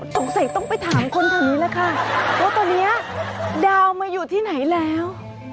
สงสัยต้องไปถามคนแถวนี้แหละค่ะว่าตอนนี้ดาวมาอยู่ที่ไหนแล้ว